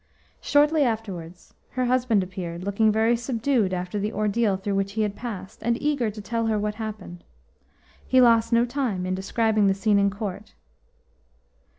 Shortly afterwards her husband appeared, looking very subdued after the ordeal through which he had passed, and eager to tell her what had happened. He lost no time in describing the scene in court.